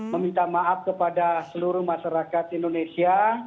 meminta maaf kepada seluruh masyarakat indonesia